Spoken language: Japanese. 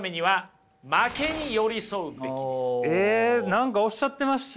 何かおっしゃってましたね。